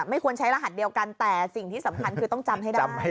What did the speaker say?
ไม่ควรใช้รหัสเดียวกันแต่สิ่งที่สำคัญคือต้องจำให้ได้